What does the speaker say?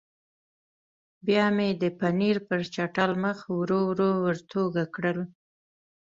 بیا مې د پنیر پر چټل مخ ورو ورو ورتوږه کړل.